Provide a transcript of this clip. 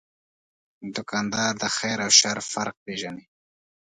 دوکاندار د خیر او شر فرق پېژني.